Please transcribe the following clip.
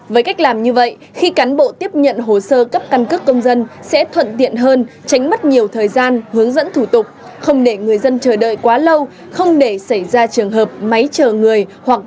với cách làm như vậy khi cán bộ tiếp nhận hồ sơ cấp căn cước công dân sẽ thuận tiện hơn tránh mất nhiều thời gian hướng dẫn thủ tục không để người dân chờ đợi quá lâu không để xảy ra trường hợp máy chờ người hoặc